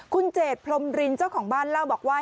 คุณเจดพรมรินเจ้าของบ้านเล่าบอกว่า